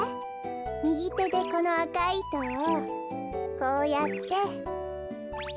みぎてでこのあかいいとをこうやって。